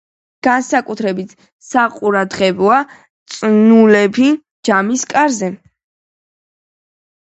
განსაკუთრებით საყურადღებოა წნულები ჯამის კარზე.